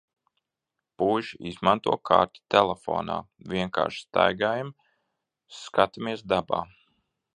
Puiši izmanto karti telefonā. Vienkārši staigājam, skatāmies dabā.